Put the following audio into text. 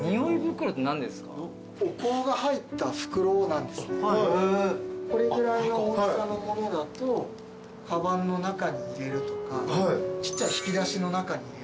お香が入った袋なんですけどこれぐらいの大きさのものだとかばんの中に入れるとかちっちゃい引き出しの中に入れるとか。